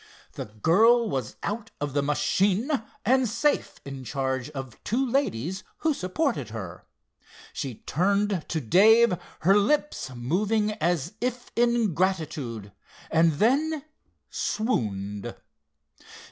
The girl was out of the machine and safe in charge of two ladies who supported her. She turned to Dave, her lips moving as if in gratitude, and then swooned.